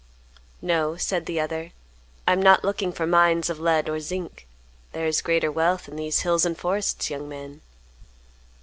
"No," said the other, "I am not looking for mines of lead or zinc; there is greater wealth in these hills and forests, young man."